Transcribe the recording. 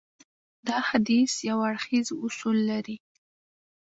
دا حديث يو هراړخيز اصول دی.